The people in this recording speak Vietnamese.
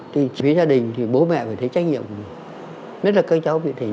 với gia đình thì bố mẹ phải thấy trách nhiệm